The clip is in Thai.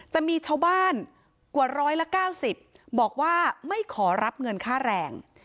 แต่มีชาวบ้านกว่าร้อยละ๙๐บอกว่าไม่ขอรับเงินค่าแรง